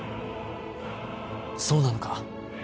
そうなのか？